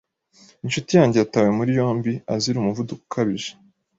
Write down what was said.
Inshuti yanjye yatawe muri yombi azira umuvuduko ukabije.